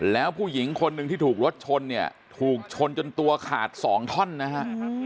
แล้วผู้หญิงคนหนึ่งที่ถูกรถชนเนี่ยถูกชนจนตัวขาดสองท่อนนะฮะ